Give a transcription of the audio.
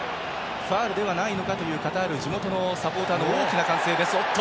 ファウルではないのかというカタールの地元のサポーターの大きな歓声。